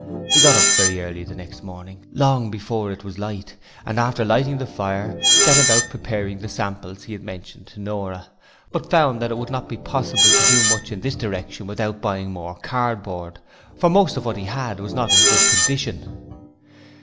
He got up very early the next morning long before it was light and after lighting the fire, set about preparing the samples he had mentioned to Nora, but found that it would not be possible to do much in this direction without buying more cardboard, for most of what he had was not in good condition.